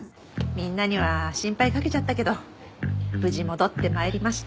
みんなには心配かけちゃったけど無事戻って参りました。